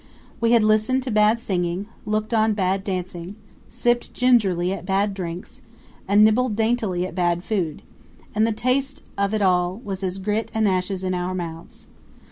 We had listened to bad singing, looked on bad dancing, sipped gingerly at bad drinks, and nibbled daintily at bad food; and the taste of it all was as grit and ashes in our mouths.